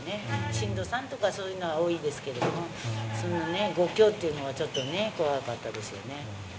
震度３とかそういうのは多いですけども５強というのはちょっと怖かったですよね。